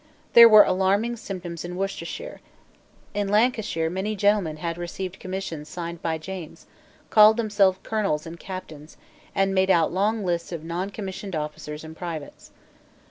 There were alarming symptoms in Worcestershire. In Lancashire many gentlemen had received commissions signed by James, called themselves colonels and captains, and made out long lists of noncommissioned officers and privates.